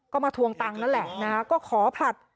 ก็มาทวงตังค์นั่นแหละนะฮะก็ขอผลัด